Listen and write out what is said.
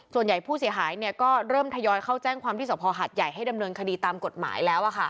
ส่วนใหญ่ผู้เสียหายก็เริ่มทยอยเข้าแจ้งความที่สภหัดใหญ่ให้ดำเนินคดีตามกฎหมายแล้ว